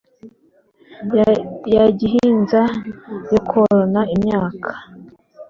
ya gihinza yo korora imyaka.